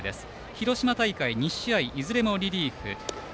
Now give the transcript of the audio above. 広島大会２試合いずれもリリーフ。